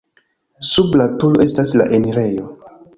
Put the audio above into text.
Sub la turo estas la enirejo.